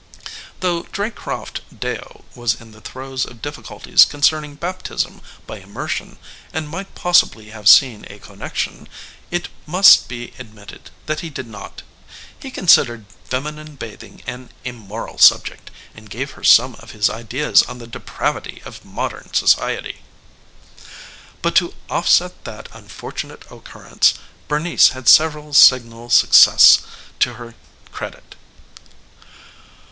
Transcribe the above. Though Draycott Deyo was in the throes of difficulties concerning baptism by immersion and might possibly have seen a connection, it must be admitted that he did not. He considered feminine bathing an immoral subject, and gave her some of his ideas on the depravity of modern society. But to offset that unfortunate occurrence Bernice had several signal successes to her credit.